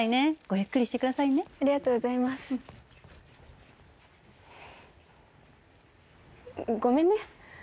ゆっくりしてくださいねありがとうございますごめんね